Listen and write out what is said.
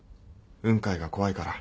雲海が怖いから。